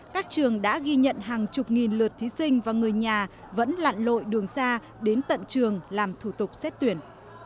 các trường đã ghi nhận hàng chục nghìn lượt thí sinh và người nhà vẫn lặn lội đường xa đến tận trường làm thủ tục xét tuyển